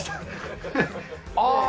ああ！